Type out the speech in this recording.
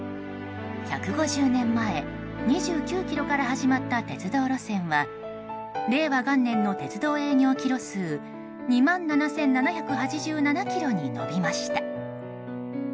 １５０年前２９ｋｍから始まった鉄道路線は令和元年の鉄道営業キロ数２万７７８７ｋｍに延びました。